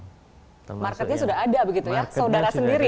marketnya sudah ada begitu ya saudara sendiri